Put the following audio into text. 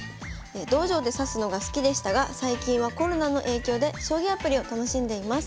「道場で指すのが好きでしたが最近はコロナの影響で将棋アプリを楽しんでいます。